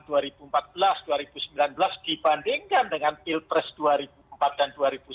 dibandingkan dengan pilpres dua ribu empat dan dua ribu sembilan